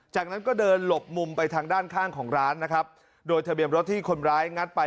จากนั้นก็เดินหลบมุมไปทางด้านข้างของร้านนะครับโดยทะเบียนรถที่คนร้ายงัดไป